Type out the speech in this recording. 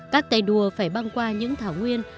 các tay đua phải băng qua những thảo nguyên